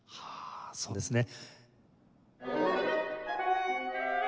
そうですね。